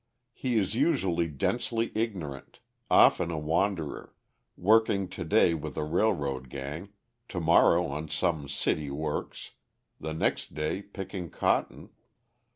He is usually densely ignorant, often a wanderer, working to day with a railroad gang, to morrow on some city works, the next day picking cotton.